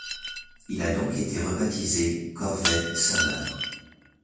Il a donc été rebaptisé Corvette Summer.